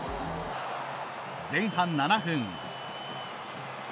前半７分。